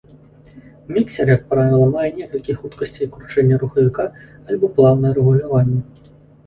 Міксер, як правіла, мае некалькі хуткасцей кручэння рухавіка, альбо плаўнае рэгуляванне.